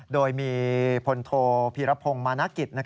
โดยมีฟันโทเพียรพงป์ม้านกิท